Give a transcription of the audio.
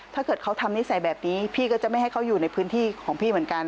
ถ้าเกิดเขาทำนิสัยแบบนี้พี่ก็จะไม่ให้เขาอยู่ในพื้นที่ของพี่เหมือนกัน